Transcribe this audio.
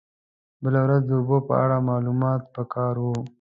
بله ورځ د اوبو په اړه معلومات په کار و.